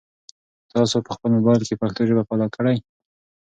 تاسو په خپل موبایل کې پښتو ژبه فعاله کړئ.